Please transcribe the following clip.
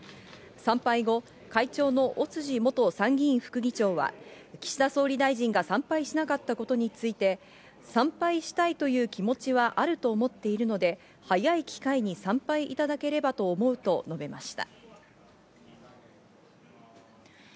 参拝後、会長の尾辻元参議院副議長は、岸田総理大臣が参拝しなかったことについて参拝したいという気持ちはあると思っているので早い機会に参拝いただければと思うと述べました。